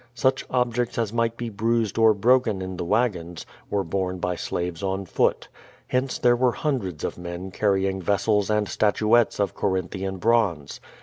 Such ob jects as might be bruised or broken in the wagons, were borne by slaves on foot. Hence there were hundreds of men carry ing vessels and statuettes of Corinthian bronze.